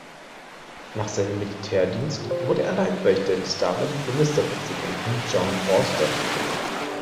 Nach seinem Militärdienst wurde er Leibwächter des damaligen Ministerpräsidenten John Vorster.